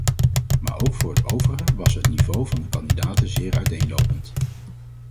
Maar ook voor het overige was het niveau van de kandidaten zeer uiteenlopend.